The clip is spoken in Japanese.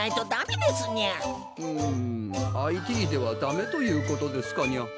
むっＩＴではダメということですかにゃ。